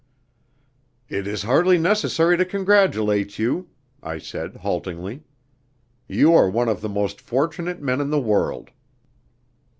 "It is hardly necessary to congratulate you," I said haltingly. "You are one of the most fortunate men in the world."